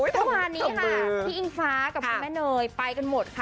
เมื่อวานนี้ค่ะพี่อิงฟ้ากับคุณแม่เนยไปกันหมดค่ะ